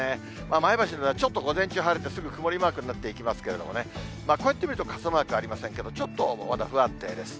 前橋、ちょっと午前中、晴れてすぐ曇りマークになっていきますけどね、こうやって見ると傘マークありませんけれども、ちょっとまだ不安定です。